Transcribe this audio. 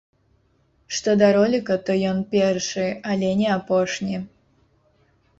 Што да роліка, то ён першы, але не апошні.